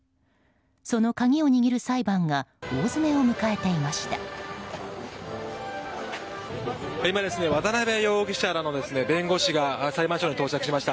その鍵を握る裁判が大詰めを迎えていました。